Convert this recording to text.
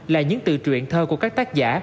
là những từ truyện thơ của các tác giả